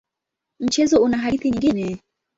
Mchezo una hadithi nyingine.